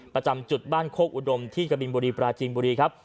ประจำจุดบ้านโคกอุดมที่กะบินบุรีปราจีนบุรีครับ